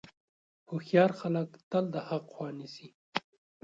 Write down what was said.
هوښیار خلک تل د حق خوا نیسي.